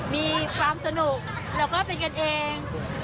มีความสนุกแล้วก็เป็นกันเอง